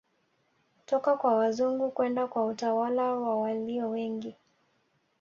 Kutoka kwa wazungu kwenda kwa utawala wa walio wengi